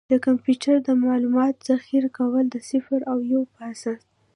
د کمپیوټر د معلوماتو ذخیره کول د صفر او یو په اساس ده.